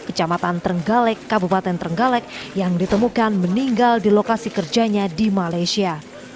kecamatan trenggalek kabupaten trenggalek yang ditemukan meninggal di lokasi kerjanya di malaysia